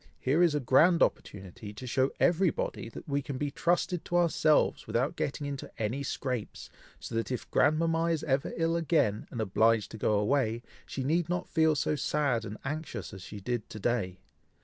here is a grand opportunity to show everybody, that we can be trusted to ourselves, without getting into any scrapes, so that if grandmama is ever ill again, and obliged to go away, she need not feel so sad and anxious as she did to day.